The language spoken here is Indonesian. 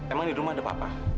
emang di rumah ada papa